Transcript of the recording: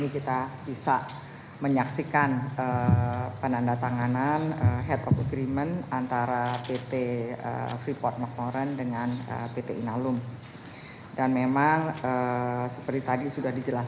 kementerian keuangan telah melakukan upaya upaya